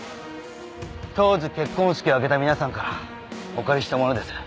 当時結婚式を挙げた皆さんからお借りしたものです。